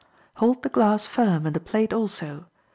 Hold the glass firm, and the plate also.